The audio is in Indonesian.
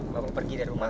bapak pergi dari rumah